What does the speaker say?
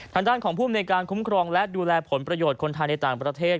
ทางด้านของภูมิในการคุ้มครองและดูแลผลประโยชน์คนไทยในต่างประเทศ